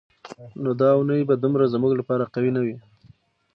نو دا اونۍ به دومره زموږ لپاره قوي نه وي.